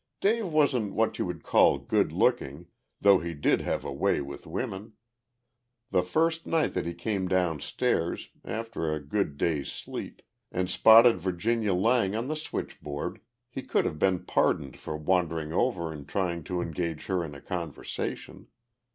Dave wasn't what you would call good looking, though he did have a way with women. The first night that he came downstairs after a good day's sleep and spotted Virginia Lang on the switchboard, he could have been pardoned for wandering over and trying to engage her in a conversation.